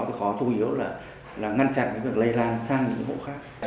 thì khó thu yếu là ngăn chặn cái việc lây lan sang những hộ khác